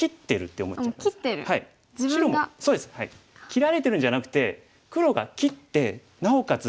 切られてるんじゃなくて黒が切ってなおかつ